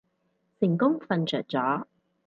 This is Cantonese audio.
成功瞓着咗